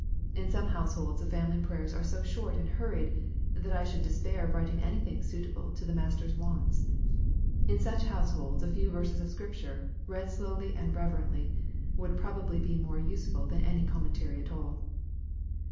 In some households the family prayers are so short and hurried, that I should despair of writing anything suitable to the master's wants. In such households a few verses of Scripture, read slowly and rev erently, would probably be more useful than any commen tary at all.